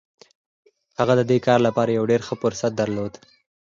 هغه د دې کار لپاره يو ډېر ښه فرصت درلود.